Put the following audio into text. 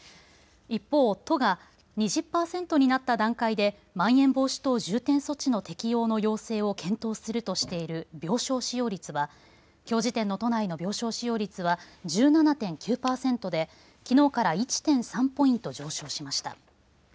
一方、都が２０％になった段階でまん延防止等重点措置の適用の要請を検討するとしている病床使用率はきょう時点の都内の病床使用率は１７．９％できのうから１．３ポイント上昇しました。